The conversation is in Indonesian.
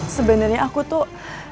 sebenernya aku tuh